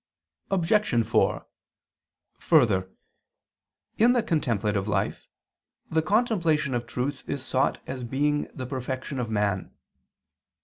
Obj. 4: Further, in the contemplative life the contemplation of truth is sought as being the perfection of man.